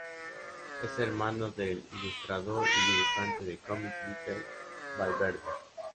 Es hermano del ilustrador y dibujante de cómics Mikel Valverde.